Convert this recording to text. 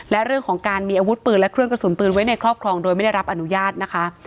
และเรื่องของการมีอาวุธปืนและเครื่องกระสุนปืนไว้ในครอบครองโดยไม่ได้รับอนุญาตนะคะ